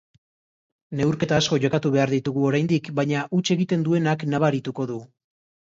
Neurketa asko jokatu behar ditugu oraindik, baina huts egiten duenak nabarituko du.